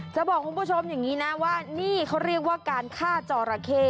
จะบอกคุณผู้ชมอย่างนี้นะว่านี่เขาเรียกว่าการฆ่าจอราเข้